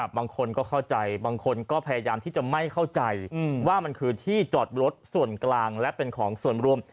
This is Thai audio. บางคนก็เข้าใจบางคนก็พยายามที่จะไม่เข้าใจว่ามันคือที่จอดรถส่วนกลางและเป็นของส่วนรวม